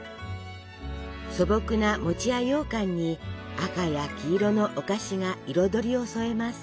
素朴な餅やようかんに赤や黄色のお菓子が彩りを添えます。